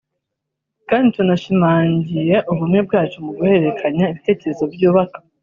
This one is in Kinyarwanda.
kandi tunashimangire ubumwe bwacu mu guhererekanya ibitekerezo byubaka